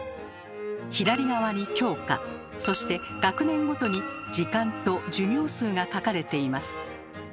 左側に教科そして学年ごとに時間と授業数が書かれています。